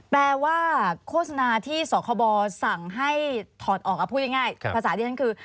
แปลว่าโฆษณาที่สคบสั่งให้ถอดออกพูดง่ายภาษาที่ฉันคือ